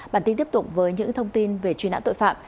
bản tin tiếp tục với những thông tin về truy nã tội phạm